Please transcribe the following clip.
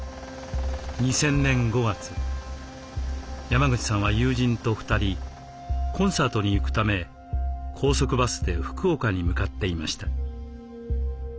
山口さんは友人と２人コンサートに行くため高速バスで福岡に向かっていました。